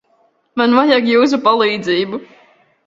Man vajag jūsu palīdzību.